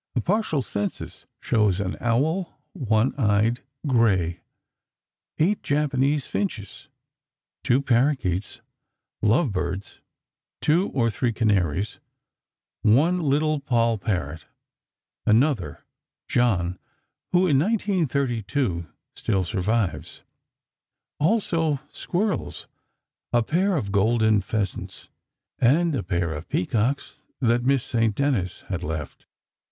A partial census shows an owl—one eyed, gray—eight Japanese finches, two parakeets, love birds, two or three canaries, one little poll parrot; another, "John" (who, in 1932, still survives); also, squirrels, a pair of golden pheasants, and a pair of peacocks that Miss St. Denis had left.